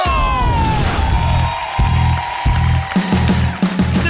ว้าว